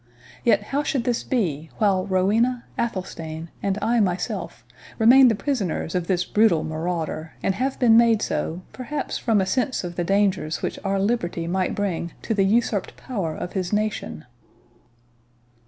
Yet how should this be, while Rowena, Athelstane, and I myself, remain the prisoners of this brutal marauder and have been made so perhaps from a sense of the dangers which our liberty might bring to the usurped power of his nation?"